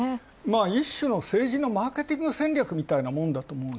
一種の政治のマーケティング戦略みたいなもんだと。